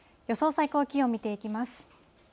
最高気温見ていきます。